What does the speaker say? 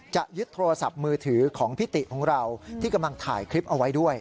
จะยึดโทรศัพท์มือถือของพี่ติของเราที่กำลังถ่ายคลิปเอาไว้ด้วย